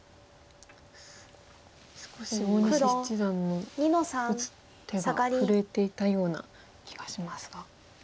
少し大西七段の打つ手が震えていたような気がしますが。